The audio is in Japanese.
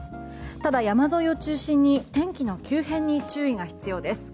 ただ、山沿いを中心に天気の急変に注意が必要です。